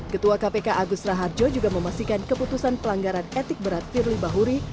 ketua kpk agus raharjo juga memastikan keputusan pelanggaran etik berat firly bahuri